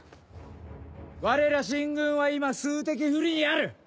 われら秦軍は今数的不利にある。